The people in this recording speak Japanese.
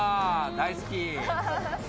大好き。